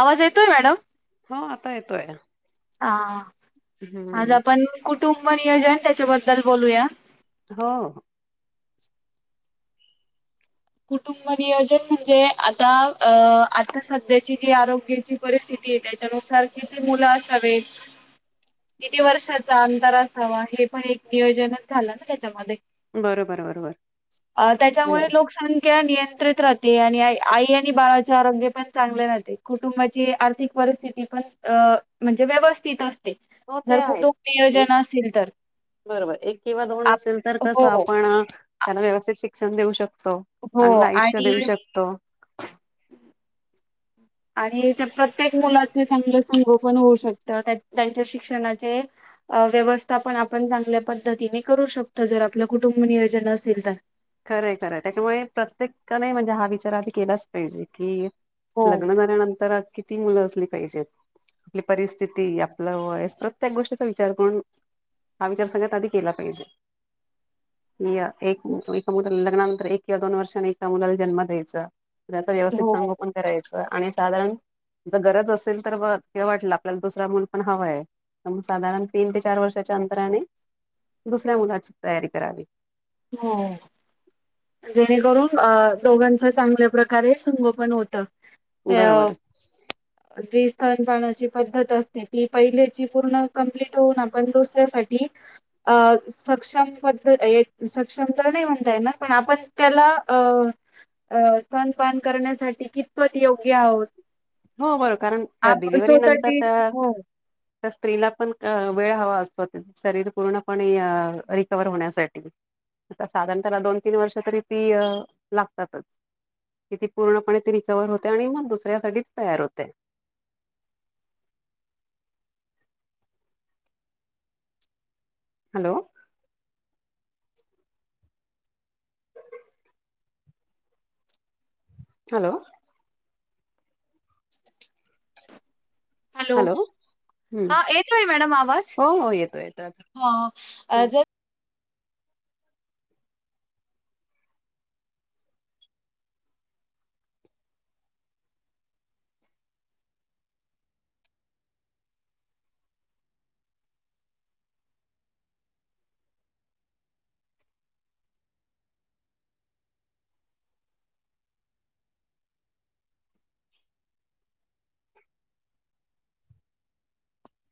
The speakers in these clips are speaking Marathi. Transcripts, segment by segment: आवाज येतोय मॅडम हो आता येतोय हा आज हम्म आपण कुटुंब मरीयाजान त्याच्याबद्दल बोलूया हो होअ कुटुंब नियोजन म्हणजे आता अ आता सध्याची जी आरोग्याची परिस्थिती आहे त्याच्यानुसार किती मुलं असावित किती वर्षाचा अंतर असावा हे पण एक नियोजनच झालं ना त्याच्यामध्ये बरोबर बरोबर अ म्हणे त्याच्यामुळे [inaudible] नियंत्रित राहते आणि आई आणि बाळाचे आरोग्य पण चांगले राहते कुटुंबाची आर्थिक परिस्थिती पण म्हणजे व्यवस्थित असते हो ते जर आहेत कुटुंब नियोजन एक असेल तर. बरोबर एक किंवा दोन आप असेल तर तसं हो. आपण त्यांना व्यवस्थित शिकण क्षण देऊ शकतो हो चांगलं आयुष्य देऊ आणि शकतो आणि त्या प्रत्येक मुलाचे चांगलं संगोपण होऊ शकतं त्यांच्या शिक्षणाचे व्यवस्था पण आपण चांगल्या पद्धतीने करू शकतो जर आपलं कुटुंब नियोजन असेल तर खरं आहे खरं आहे त्याच्यामुळे प्रत्येकाने म्हणजे हा विचार आधी केलाच पाहिजे की हो लग्न झाल्यानंतरात किती किती मुलं असली पाहिजेत आपली परिस्थिती आपलं वय प्रत्येक गोष्टीचा विचार करून हा विचार सगळ्यात आधी केला पाहिजे या एक मुलं लग्नानंतर एक किवां दोन वर्षाने एका मुलाला जन्म द्यायचा त्याचं व्यवस्थित हो संगोपन करायचं आणि साधारण जर गरज असेल तर हे वाटलं आपल्याला दुसरं मुल पण हवं आहे तर मग साधारण तीन ते चार वर्षाच्या अंतराने दुसऱ्या मुलाची तयारी करावी हो जेणेकरून अ दोघांच चांगल्या प्रकारे संगोपन होतं अ बरोबर. जिस तनपाणाची पद्धत असते ती पहिल्याची पूर्ण कम्प्लीट होऊन आपण दुसऱ्यासाठी अ सक्षम पद्ध सक्षम तर नाही म्हणता येणार पण आपण त्याला अ स्तनपान करण्यासाठी कितपत योग्य आहोत हो बरो कारण आपण डिलिव्हरी नंतर स्वतःची त्या हो. त्या स्त्रीला पण अ वेळ हवा असतो शरीर पूर्णपणे रिकव्हर होण्यासाठी आता साधारण त्याला दोन तीन वर्ष तरी ती लागतातच कि ती पूर्णपणे ती रिकव्हर होते आणि मग दुसऱ्यासाठी तयार होते. हॅलो हॅलो हॅलो हं. हा येतोय मॅडम आवाज हो हो येतो येतो आता. ह हं. जर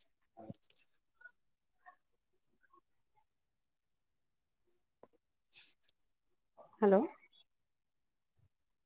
[inaudible] हॅलो